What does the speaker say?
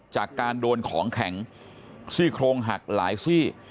จากการโดนของแข็งซี่โครงหักหลายซี่